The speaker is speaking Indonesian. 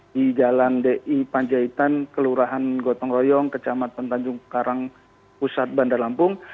di jalan di panjaitan kelurahan gotong royong kecamatan tanjung karang pusat bandar lampung